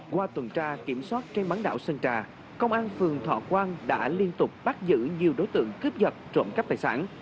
qua tuần tra kiểm soát trên bán đảo sơn trà công an phường thọ quang đã liên tục bắt giữ nhiều đối tượng cướp dật trộm cắp tài sản